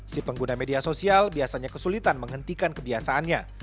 si pengguna media sosial biasanya kesulitan menghentikan kebiasaannya